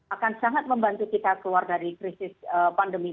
akan sangat membantu kita keluar dari krisis pandemi